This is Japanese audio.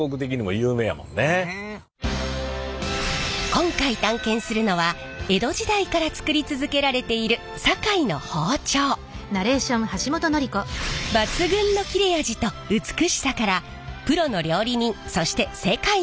今回探検するのは江戸時代からつくり続けられている抜群の切れ味と美しさからプロの料理人そして世界が注目！